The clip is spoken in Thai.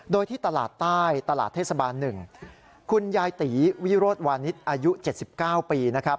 โดยที่ตลาดใต้ตลาดเทศบาล๑คุณยายตีวิโรธวานิสอายุ๗๙ปีนะครับ